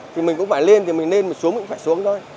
thì mình cũng phải lên thì mình lên xuống thì mình cũng phải xuống thôi